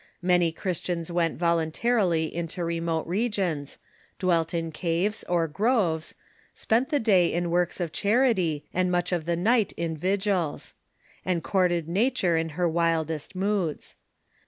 Many Christians went voluntarily into remote regions ; dwelt in caves or groves; spent the day in works of charity, and much of the night in vigils; and courted nature in her Avildest moods.